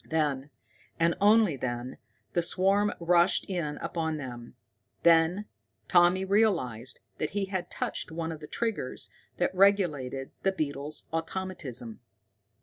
Then, and only then, the swarm rushed in upon them. Then Tommy realized that he had touched one of the triggers that regulated the beetle's automatism.